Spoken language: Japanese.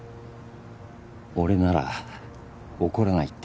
俺なら怒らないって？